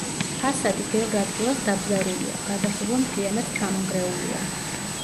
ფასადი ბევრ ადგილას დაბზარულია, გადახურვა მთლიანად ჩამონგრეულია.